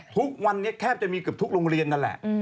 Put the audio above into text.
ทุกวันนี้แทบจะมีเกือบทุกโรงเรียนนั่นแหละ